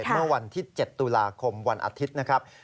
เมื่อวันที่๗ตุลาคมวันอาทิตย์นะครับ